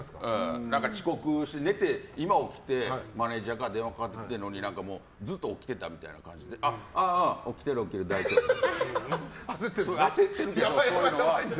遅刻して、寝て今起きてマネジャーから電話かかってきてるのにずっと起きてたみたいな感じでああ、起きてる大丈夫って。